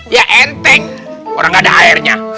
ya enteng orang ada airnya